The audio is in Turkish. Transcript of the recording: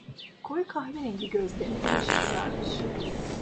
Koyu kahverengi gözlerini bir ışık sarmış.